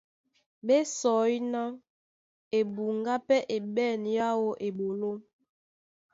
Ɓé sɔí ná ebuŋgá pɛ́ é ɓɛ̂n yáō eɓoló.